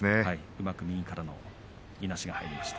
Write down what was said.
うまく右からのいなしが入りました。